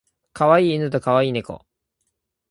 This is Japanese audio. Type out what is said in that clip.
可愛い犬と可愛い猫